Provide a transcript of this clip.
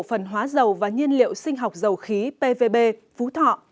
phần hóa dầu và nhiên liệu sinh học dầu khí pvb phú thọ